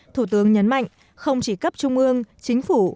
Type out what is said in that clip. thủ tướng nhấn mạnh không chỉ cấp trung ương chính phủ